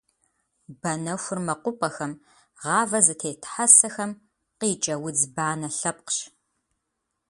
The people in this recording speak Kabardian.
Банэхур мэкъупӏэхэм, гъавэ зытет хьэсэхэм къикӏэ удз банэ лъэпкъщ.